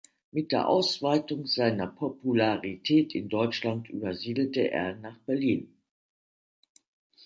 Mit der Ausweitung seiner Popularität in Deutschland übersiedelte er nach Berlin.